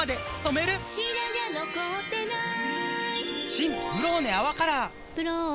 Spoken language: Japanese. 新「ブローネ泡カラー」「ブローネ」